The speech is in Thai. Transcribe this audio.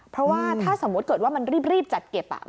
เพราะว่าถ้าสมมุติเกิดว่ามันรีบจัดเก็บ